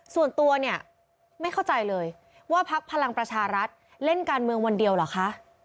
ส่วนตัวเนี่ยไม่เข้าใจเลยว่าพักพลังประชารัฐเล่นการเมืองวันเดียวเหรอคะ